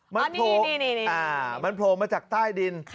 มันโพงมาจากใต้ดิน